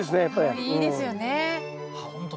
香りいいですよね。